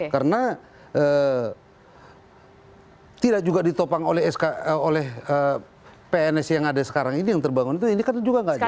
karena tidak juga ditopang oleh pns yang ada sekarang ini yang terbangun itu ini kan juga nggak jelas